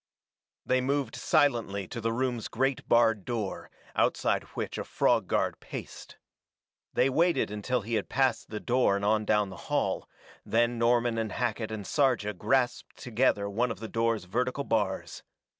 They moved silently to the room's great barred door, outside which a frog guard paced. They waited until he had passed the door and on down the hall, then Norman and Hackett and Sarja grasped together one of the door's vertical bars.